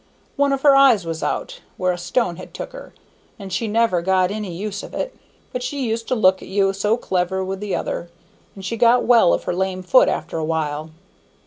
One of her eyes was out, where a stone had took her, and she never got any use of it, but she used to look at you so clever with the other, and she got well of her lame foot after a while.